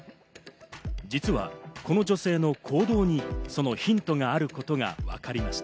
実はこの女性の行動にそのヒントがあることがわかりました。